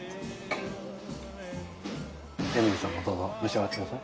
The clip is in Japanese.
エミリさんもどうぞ召し上がってください。